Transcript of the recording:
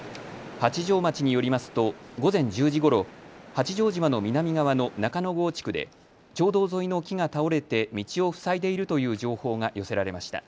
八丈町によりますと午前１０時ごろ、八丈島の南側の中之郷地区で町道沿いの木が倒れて道を塞いでいるという情報が寄せられました。